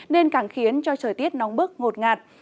nên càng khiến cho trời tiết nóng bức ngột ngạt